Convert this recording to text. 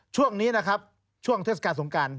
ช่วงนี้นะครับช่วงเทศกาลสงการ